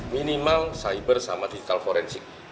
minimal cyber sama digital forensik